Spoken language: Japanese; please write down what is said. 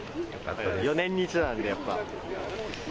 ４年に１度なんで、やっぱ。